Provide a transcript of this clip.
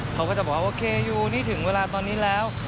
เขาก็จะบอกว่าโอเคยูนี่ถึงเวลาตอนนี้แล้ว